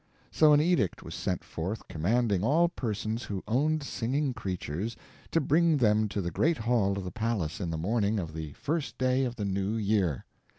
So an edict was sent forth commanding all persons who owned singing creatures to bring them to the great hall of the palace in the morning of the first day of the new year.